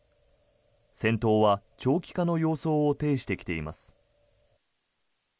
戦闘は長期化の様相を呈してきています。